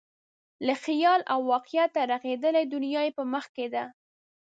له خیال او واقعیته رغېدلې دنیا یې په مخ کې ده.